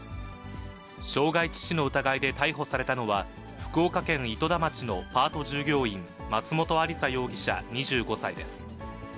傷害致死の疑いで逮捕されたのは、福岡県糸田町のパート従業員、松本亜里沙容疑者２５歳です。